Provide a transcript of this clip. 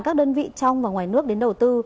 các đơn vị trong và ngoài nước đến đầu tư